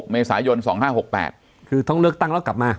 เมษายน๒๕๖๘คือต้องเลือกตั้งแล้วกลับมา